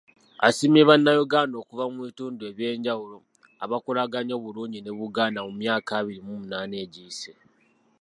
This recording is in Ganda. Asiimye Bannayuganda okuva mu bitundu ebyenjawulo, abakolaganye obulungi ne Buganda mu myaka abiri mu munaana egiyise.